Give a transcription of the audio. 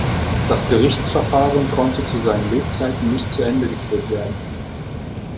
Das Gerichtsverfahren konnte zu seinen Lebzeiten nicht zu Ende geführt werden.